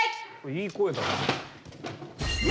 いい声だね。